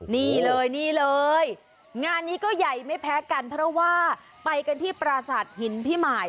นี่เลยนี่เลยงานนี้ก็ใหญ่ไม่แพ้กันเพราะว่าไปกันที่ปราสาทหินพิมาย